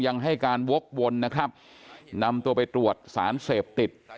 ยังให้การวกวนนะครับนำตัวไปตรวจสารเสพติด